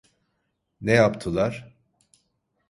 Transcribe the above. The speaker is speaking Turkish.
Ne yaptılar?